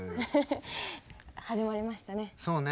始まりましたね。